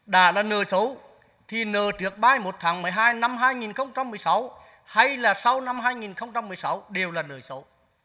đã là nợ xấu thì nợ trước ba mươi một tháng một mươi hai năm hai nghìn một mươi sáu hay là sau năm hai nghìn một mươi sáu đều là nợ xấu